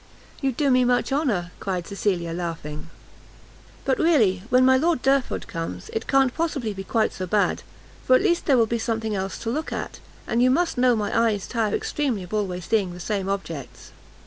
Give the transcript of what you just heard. "You do me much honour," cried Cecilia, laughing. "But really, when my Lord Derford comes, it can't possibly be quite so bad, for at least there will be something else to look at; and you must know my eyes tire extremely of always seeing the same objects.